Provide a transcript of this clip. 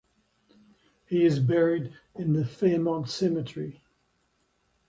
He is buried in the Fairmount Cemetery.